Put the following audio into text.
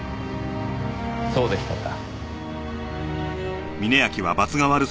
そうでしたか。